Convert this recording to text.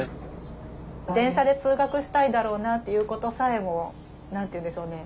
電車で通学したいだろうなっていうことさえも何て言うんでしょうね